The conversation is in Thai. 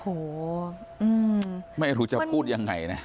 โอ้โหไม่รู้จะพูดยังไงนะ